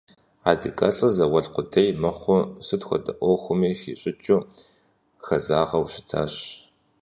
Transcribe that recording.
АдыгэлӀыр зауэлӏ къудей мыхъуу, сыт хуэдэ Ӏуэхуми хищӀыкӀыу, хэзагъэу щытащ.